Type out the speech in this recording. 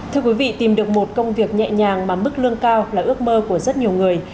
thưa quý vị tìm được một công việc nhẹ nhàng mà mức lương cao là ước mơ của rất nhiều người